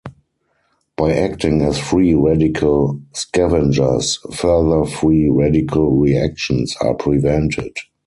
By acting as free radical scavengers, further free radical reactions are prevented.